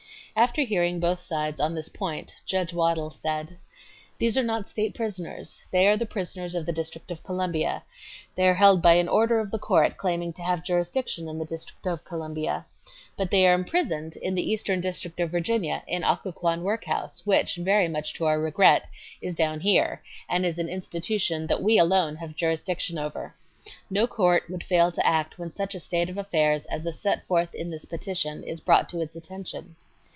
After hearing both sides on this point, Judge Waddill said: "These are not state prisoners; they are prisoners of the District of Columbia. They are held by an order of the court claiming to have jurisdiction in the District of Columbia. But they are imprisoned in the Eastern District of Virginia, in Occoquan workhouse which, very much to our regret, is down here, and is an institution that we alone have jurisdiction over. No court would fail to act when such a state of affairs as is set forth in this petition is brought to its attention.